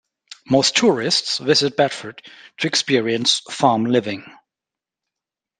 Most tourists visit Bedford to experience farm living.